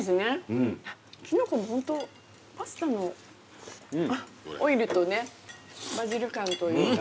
キノコもホントパスタのオイルとねバジル感というか。